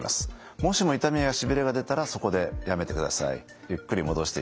もしも痛みやしびれが出たらそこでやめてください。